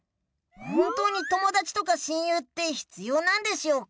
本当に友だちとか親友ってひつようなんでしょうか？